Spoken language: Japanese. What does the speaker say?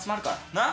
なっ。